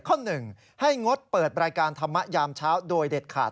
ข้อหนึ่งให้งดเปิดรายการธรรมะยามเช้าโดยเด็ดขาด